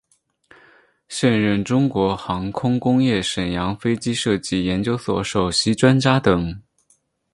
现任中国航空工业沈阳飞机设计研究所首席专家等。